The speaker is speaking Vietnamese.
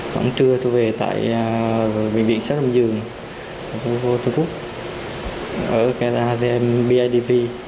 vẫn trưa tôi về tại bệnh viện sát lâm dường tôi vô tân phúc ở kia là bidv